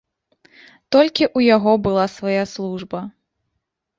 Толькі ў яго была свая служба.